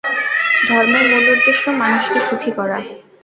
ধর্মের মূল উদ্দেশ্য মানুষকে সুখী করা।